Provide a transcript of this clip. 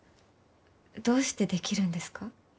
どうしてできるんですか？